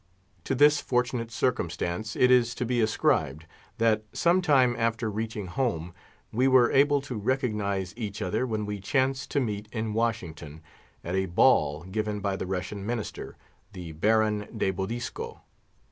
To this fortunate circumstance it is to be ascribed, that some time after reaching home, we were able to recognise each other when we chanced to meet in Washington, at a ball given by the Russian Minister, the Baron de Bodisco.